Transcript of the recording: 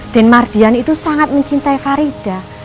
din mardian itu sangat mencintai farida